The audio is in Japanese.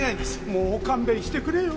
もう勘弁してくれよ。